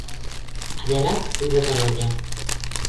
Adela cuida de l'olla.